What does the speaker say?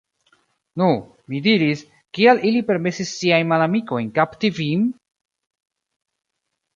Nu, mi diris, Kial ili permesis siajn malamikojn kapti vin?